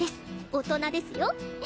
大人ですよ。